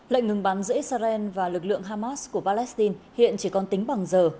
lệnh ngừng bắn giữa israel và lực lượng hamas của palestine hiện chỉ còn tính bằng giờ